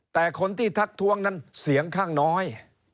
แต่คนที่ทักทวงนั้นเสียงข้างน้อย